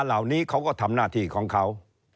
เหล่านี้เขาก็ทำหน้าที่ของเขา